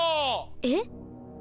えっ？